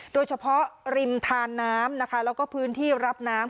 โดยเฉพาะริมทานน้ำนะคะแล้วก็พื้นที่รับน้ำ